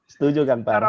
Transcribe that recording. setuju kang farhan